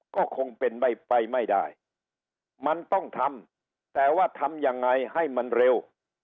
ก็คงเป็นไปไม่ได้มันต้องทำแต่ว่าทำยังไงให้มันเร็ว